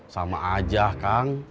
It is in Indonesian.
sama aja akang